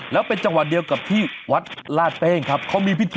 แล้วเป็นจังหวัดเดียวกับที่วัดลาดเป้งครับเขามีพิธี